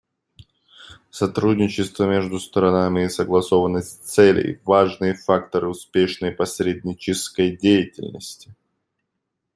Сотрудничество между сторонами и согласованность целей — важные факторы успешной посреднической деятельности.